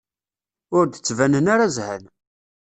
Ur d-ttbanen ara zhan.